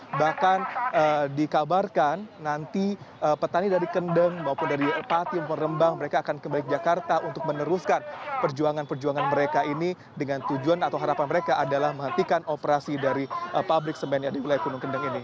dan bahkan dikabarkan nanti petani dari kendeng maupun dari patim merembang mereka akan kembali ke jakarta untuk meneruskan perjuangan perjuangan mereka ini dengan tujuan atau harapan mereka adalah menghentikan operasi dari pabrik semen yang diulai kunung kendeng ini